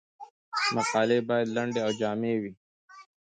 مقالې باید لنډې او جامع وي.